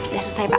udah selesai pak